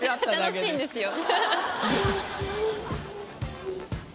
楽しいんですよ。